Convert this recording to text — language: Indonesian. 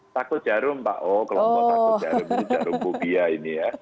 takut jarum pak oh kalau mau takut jarum jarum bubia ini ya